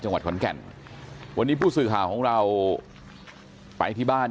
จังหวัดขอนแก่นวันนี้ผู้สื่อข่าวของเราไปที่บ้าน